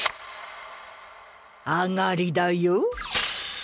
上がりだよ。